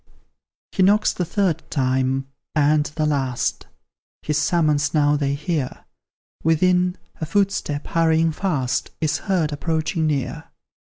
He knocks the third time, and the last His summons now they hear, Within, a footstep, hurrying fast, Is heard approaching near.